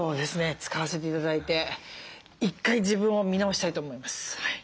使わせて頂いて１回自分を見直したいと思います。